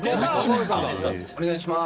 お願いします。